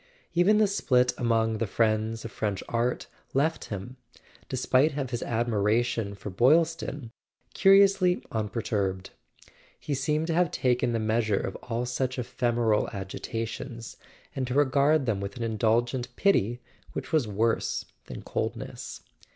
Even the split among "The Friends of French Art" left him, despite of his admiration for Boylston, curiously unperturbed. He seemed to have taken the measure of all such ephemeral agitations, and to regard them with an indulgent pity which was worse than coldness.